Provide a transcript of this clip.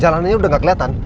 jalannya udah gak keliatan